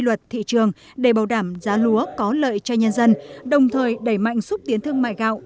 luật thị trường để bảo đảm giá lúa có lợi cho nhân dân đồng thời đẩy mạnh xúc tiến thương mại gạo